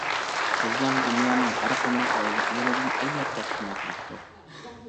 قىزلار دۇنيانىڭ ھەرقانداق بايلىقلىرىدىن ئەلۋەتتە قىممەتلىكتۇر.